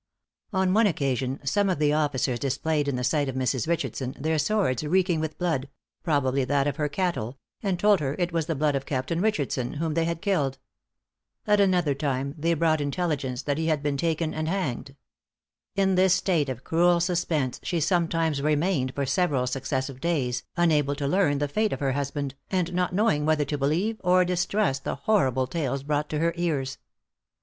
On one occasion some of the officers displayed in the sight of Mrs. Richardson, their swords reeking with blood probably that of her cattle and told her it was the blood of Captain Richardson, whom they had killed. At another time they brought intelligence that he had been taken and hanged. In this state of cruel suspense she sometimes remained for several successive days, unable to learn the fate of her husband, and not knowing whether to believe or distrust the horrible tales brought to her ears.